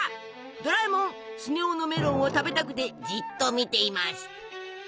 ドラえもんスネ夫のメロンを食べたくてじっと見ています。